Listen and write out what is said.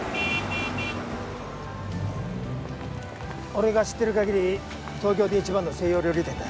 俺が知ってる限り東京で一番の西洋料理店だ。